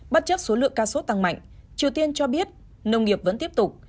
bất chấp số lượng ca sốt tăng mạnh triều tiên cho biết nông nghiệp vẫn tiếp tục